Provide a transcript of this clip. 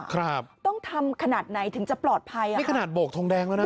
ครับต้องทำขนาดไหนถึงจะปลอดภัยอ่ะนี่ขนาดโบกทงแดงแล้วนะ